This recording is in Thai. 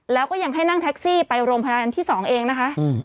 แล้วก็ยังให้นั่งแท็กซี่ไปโรงพยาบาลอันที่๒เองนะคะ